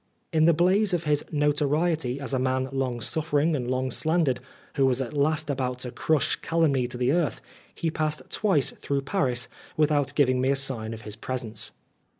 In the blaze of his notoriety as a man long suffering and long slandered, who was at last about to crush calumny to the earth, he passed twice through. Paris without giving me a sign of his presence.